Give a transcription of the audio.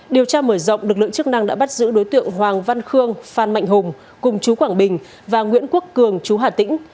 điều tra mở rộng lực lượng chức năng đã bắt giữ đối tượng hoàng văn khương phan mạnh hùng cùng chú quảng bình và nguyễn quốc cường chú hà tĩnh